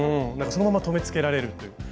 そのまま留めつけられるという。